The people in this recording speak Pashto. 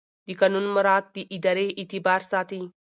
د قانون مراعات د ادارې اعتبار ساتي.